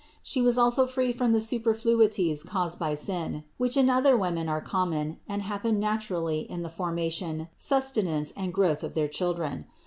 She was also free from the superflui ties caused by sin, which in other women are common and happen naturally in the formation, sustenance and growth of their children.